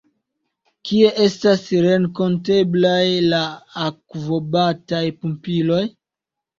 Kie estas renkonteblaj la akvobataj pumpiloj?